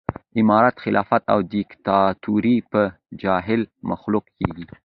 امارت خلافت او ديکتاتوري به جاهل مخلوق کېږي